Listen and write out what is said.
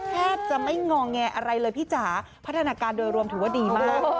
แทบจะไม่งอแงอะไรเลยพี่จ๋าพัฒนาการโดยรวมถือว่าดีมาก